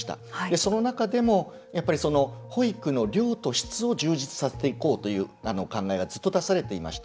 その中でも保育の量と質を充実させていこうという考えがずっと出されていました。